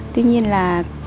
tuy nhiên là